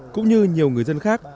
cũng như nhiều người dân khác